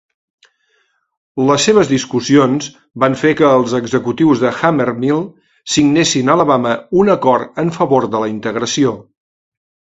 Les seves discussions van fer que els executius de Hammermill signessin a Alabama un acord en favor de la integració.